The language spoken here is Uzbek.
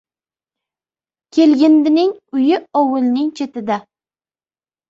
• Kelgindining uyi ovulning chetida.